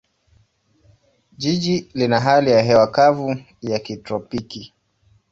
Jiji lina hali ya hewa kavu ya kitropiki.